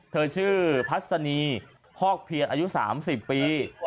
เธอชื่อพัศนีฮอกเพียรอายุ๓๐ปี